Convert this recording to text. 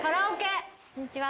こんにちは。